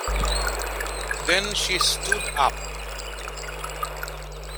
Then she stood up.